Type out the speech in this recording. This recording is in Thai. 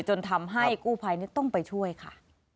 จนทำให้กู้ภัยต้องไปช่วยค่ะ